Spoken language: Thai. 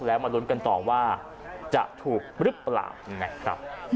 แล้วมาลุ้นกันต่อว่าจะถูกหรือเปล่านะครับ